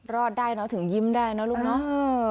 รอดได้ถึงยิ้มได้นะลูกน้อง